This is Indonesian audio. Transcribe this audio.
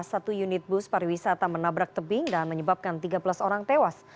satu unit bus pariwisata menabrak tebing dan menyebabkan tiga belas orang tewas